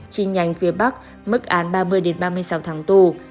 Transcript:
chi nhánh phía bắc mức án ba mươi ba mươi sáu tháng tù